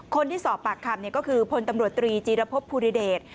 คนที่สอบปากคำก็คือพลตำรวจตรีจีรพบภูริเดช